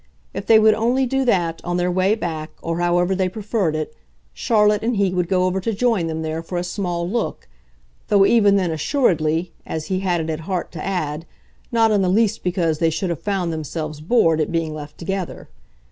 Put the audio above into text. If they would only do that, on their way back, or however they preferred it, Charlotte and he would go over to join them there for a small look though even then, assuredly, as he had it at heart to add, not in the least because they should have found themselves bored at being left together.